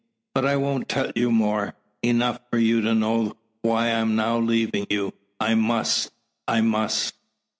But I won't tell you more. Enough, for you to know why I'm now leaving you. I must I must!"